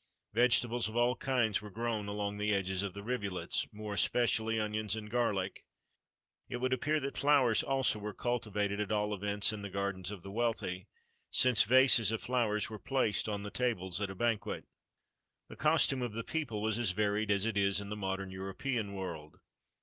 Vegetables of all kinds were grown along the edges of the rivulets, more especially onions and garlic. It would appear that flowers also were cultivated, at all events in the gardens of the wealthy, since vases of flowers were placed on the tables at a banquet. The costume of the people was as varied as it is in the modern European world.